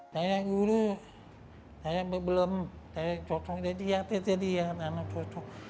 saya guru saya belum saya cocok jadi artis artis jadi anak anak cocok